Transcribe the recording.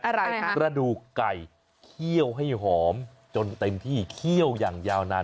อะไรคะกระดูกไก่เคี่ยวให้หอมจนเต็มที่เคี่ยวอย่างยาวนาน